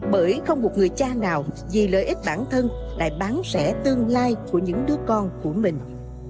bởi không một người cha nào vì lợi ích bản thân lại bán rẻ tương lai của những đứa con của mình